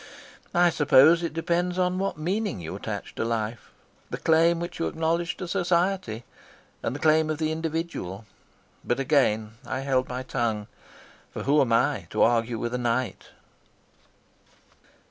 I suppose it depends on what meaning you attach to life, the claim which you acknowledge to society, and the claim of the individual. But again I held my tongue, for who am I to argue with a knight?